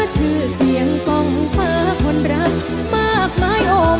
ชื่อเสียงกล้องฟ้าคนรักมากมายโอม